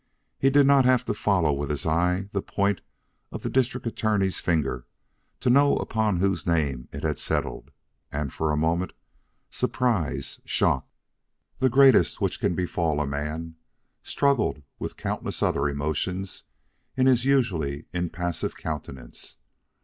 He did not have to follow with his eye the point of the District Attorney's finger to know upon whose name it had settled; and for a moment, surprise, shock, the greatest which can befall a man, struggled with countless other emotions in his usually impassive countenance.